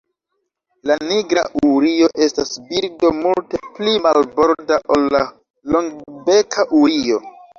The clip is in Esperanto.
La Nigra urio estas birdo multe pli marborda ol la Longbeka urio.